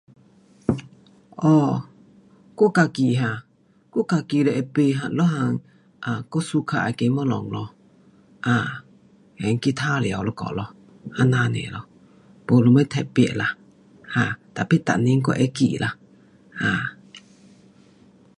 um 我自己哈，我自己就会买那一样 um 我 suka 那个东西咯。um 闲去玩耍一下咯，这样 nia 咯，没什么特别啦，[um]tapi 每年我会去啦。um